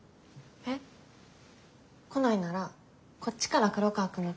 えっ？来ないならこっちから黒川くんのとこ行こう。